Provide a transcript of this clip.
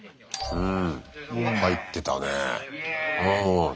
うん。